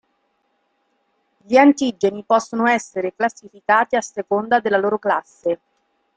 Gli antigeni possono essere classificati a seconda della loro classe.